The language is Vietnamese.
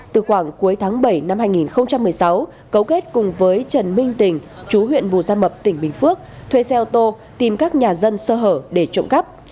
từ khoảng cuối tháng bảy năm hai nghìn một mươi sáu cấu kết cùng với trần minh tình chú huyện bù gia mập tỉnh bình phước thuê xe ô tô tìm các nhà dân sơ hở để trộm cắp